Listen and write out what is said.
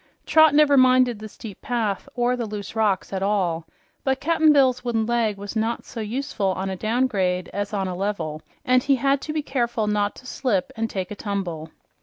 Trot never minded the steep path or the loose rocks at all, but Cap'n Bill's wooden leg was not so useful on a downgrade as on a level, and he had to be careful not to slip and take a tumble.